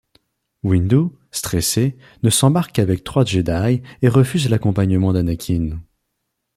Windu, stressé, ne s'embarque qu'avec trois Jedi et refuse l'accompagnement d'Anakin.